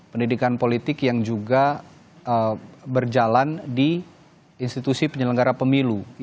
pendidikan politik yang juga berjalan di institusi penyelenggara pemilu